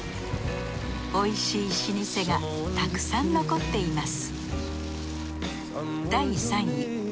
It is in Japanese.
おいしい老舗がたくさん残っています